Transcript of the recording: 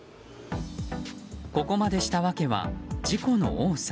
ここまでした訳は事故の多さ。